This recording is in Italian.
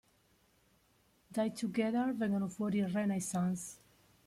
Dai Together vengono fuori i Renaissance.